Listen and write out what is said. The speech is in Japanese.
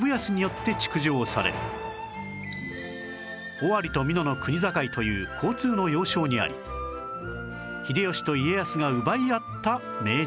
尾張と美濃の国境という交通の要衝にあり秀吉と家康が奪い合った名城